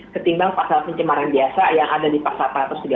ketimbang pasal pencemaran biasa yang ada di pasal empat ratus tiga puluh